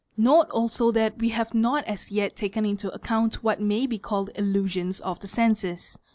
af Note also that we have not as yet taken into account what may be De a 7 ~ illed "illusions of the senses."